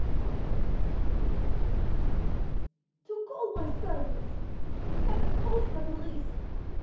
"Why ring?" he countered, smiling. "To call my servants—to have them call in the police."